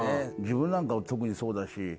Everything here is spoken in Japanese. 自分なんかも特にそうだし。